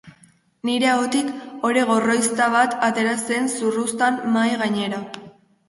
Nire ahotik, ore gorrizta bat atera zen zurruztan mahai gainera.